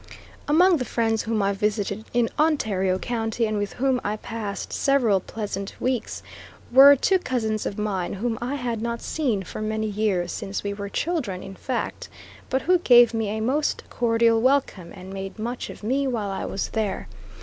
Among the friends whom I visited in Ontario County, and with whom I passed several pleasant weeks, were two cousins of mine whom I had not seen for many years, since we were children in fact, but who gave me a most cordial welcome, and made much of me while I was there.